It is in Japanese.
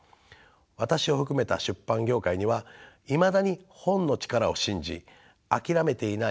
私を含めた出版業界にはいまだに本の力を信じ諦めていない人がたくさんいます。